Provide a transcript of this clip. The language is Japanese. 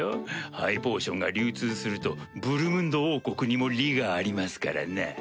ハイポーションが流通するとブルムンド王国にも利がありますからな。